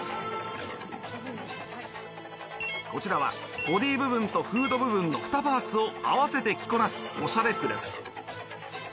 こちらはボディー部分とフード部分の２パーツを合わせて着こなすおしゃれ服です。